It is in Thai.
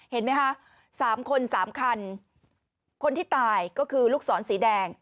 เห็นไหมคะ๓คน๓คันคนที่ตายก็คือลูกศรสีแดง